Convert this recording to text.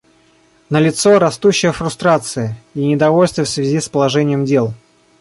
Налицо растущая фрустрация и недовольство в связи с положением дел.